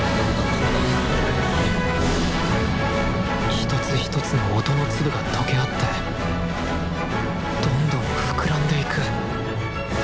一つ一つの音の粒が溶け合ってどんどん膨らんでいく。